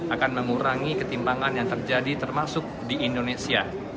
akan mengurangi ketimpangan yang terjadi termasuk di indonesia